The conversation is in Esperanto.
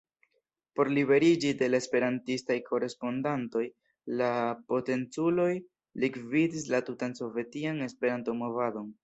Por liberiĝi de la esperantistaj korespondantoj, la potenculoj likvidis la tutan Sovetian Esperanto-movadon.